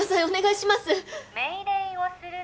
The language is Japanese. お願いします